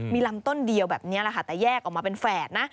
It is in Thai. มีลำต้นเดียวแบบนี้แหละค่ะแต่แยกออกมาเป็นแฝดนะ